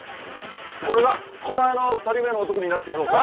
俺がお前の２人目の男になってやろうか？